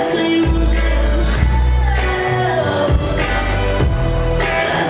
สวัสดีครับ